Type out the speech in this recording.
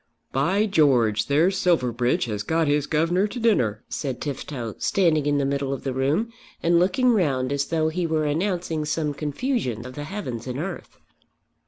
"By George, there's Silverbridge has got his governor to dinner," said Tifto, standing in the middle of the room, and looking round as though he were announcing some confusion of the heavens and earth.